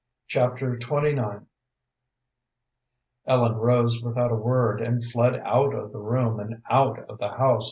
Chapter XXIX Ellen rose without a word, and fled out of the room and out of the house.